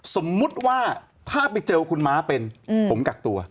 สมมุติว่าถ้าไปเจอคุณม้าเป็นผมกักตัว